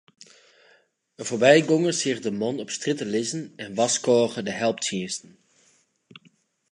In foarbygonger seach de man op strjitte lizzen en warskôge de helptsjinsten.